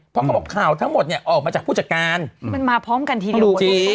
เพราะเขาบอกข่าวทั้งหมดเนี่ยออกมาจากผู้จัดการมันมาพร้อมกันทีเดียว